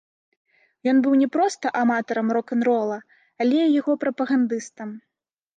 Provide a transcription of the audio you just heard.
Ён быў не проста аматарам рок-н-рола, але і яго прапагандыстам.